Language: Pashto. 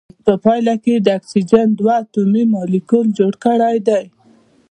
په پایله کې د اکسیجن دوه اتومي مالیکول جوړ کړی دی.